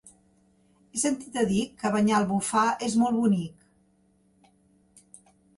He sentit a dir que Banyalbufar és molt bonic.